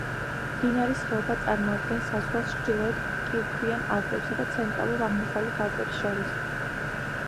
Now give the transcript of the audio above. მდინარის ხეობა წარმოადგენს საზღვრავს ჩრდილოეთ კირქვიან ალპებსა და ცენტრალურ-აღმოსავლეთ ალპებს შორის.